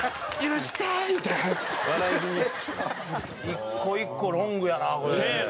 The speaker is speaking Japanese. １個１個ロングやなこれ。